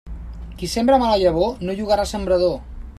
Qui sembre mala llavor, no llogarà sembrador.